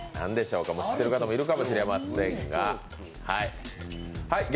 知っている方もいるかもしれませんが。